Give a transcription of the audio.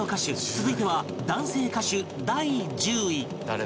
続いては男性歌手第１０位